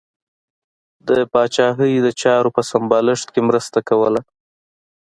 د پاچاهۍ د چارو په سمبالښت کې مرسته کوله.